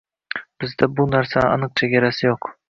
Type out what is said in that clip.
Bizda bu narsalarni aniq chegarasi yoʻq.